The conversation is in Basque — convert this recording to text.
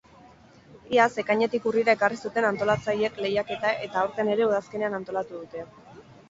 Iaz ekainetik urrira ekarri zuten antolatzaileek lehiaketa eta aurten ere udazkenean antolatu dute.